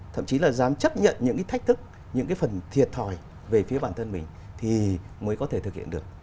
thậm chí là dám chấp nhận những cái thách thức những cái phần thiệt thòi về phía bản thân mình thì mới có thể thực hiện được